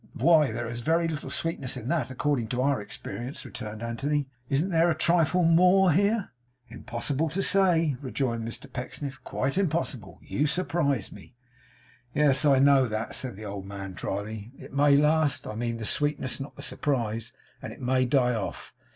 'Why, there is very little sweetness in that, according to our experience,' returned Anthony. 'Isn't there a trifle more here?' 'Impossible to say,' rejoined Mr Pecksniff. 'Quite impossible! You surprise me.' 'Yes, I know that,' said the old man, drily. 'It may last; I mean the sweetness, not the surprise; and it may die off.